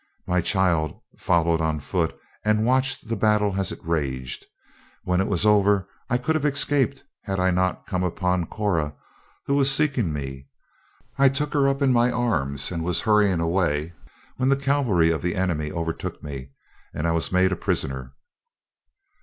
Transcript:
My child followed on foot and watched the battle as it raged. When it was over I could have escaped, had I not come upon Cora, who was seeking me. I took her up in my arms and was hurrying away, when the cavalry of the enemy overtook me and I was made a prisoner."